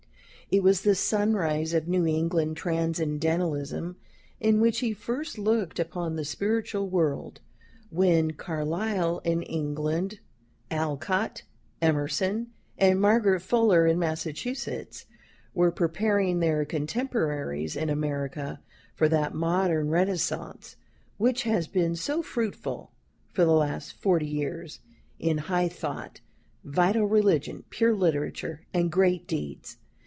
It was the sunrise of New England Transcendentalism in which he first looked upon the spiritual world; when Carlyle in England, Alcott, Emerson, and Margaret Fuller in Massachusetts, were preparing their contemporaries in America for that modern Renaissance which has been so fruitful, for the last forty years, in high thought, vital religion, pure literature, and great deeds.